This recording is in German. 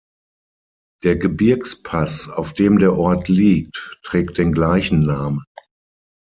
Der Gebirgspass, auf dem der Ort liegt, trägt den gleichen Namen.